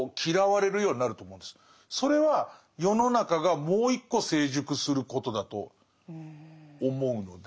それは世の中がもう一個成熟することだと思うので。